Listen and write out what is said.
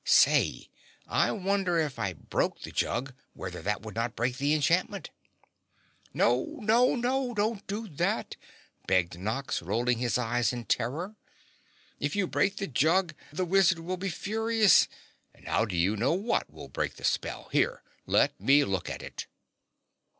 Say, I wonder if I broke the jug whether that would not break the enchantment?" "Oh, no, no, no! Don't do that!" begged Nox, rolling his eyes in terror. "If you break the jug, the wizard will be furious, and how do you know what will break the spell? Here, let me look at it."